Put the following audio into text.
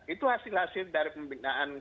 itu hasil hasil dari pembinaan